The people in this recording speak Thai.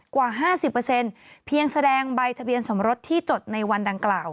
กว่า๕๐เพียงแสดงใบทะเบียนสมรสที่จดในวันดังกล่าว